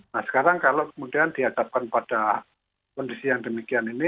nah sekarang kalau kemudian dihadapkan pada kondisi yang demikian ini